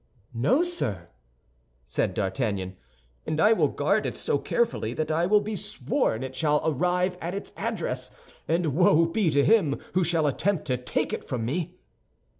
"No, sir," said D'Artagnan; "and I will guard it so carefully that I will be sworn it shall arrive at its address, and woe be to him who shall attempt to take it from me!"